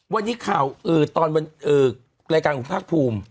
วันนี้ข่าวเออตอนวันเอ่อรายการผู้พาร์คภูมิ